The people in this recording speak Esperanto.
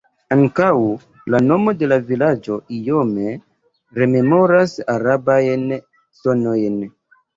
Ankaŭ la nomo de la vilaĝo iome rememoras arabajn sonojn.